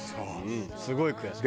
すごい悔しい。